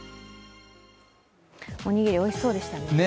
おにぎり、おいしそうでしたね。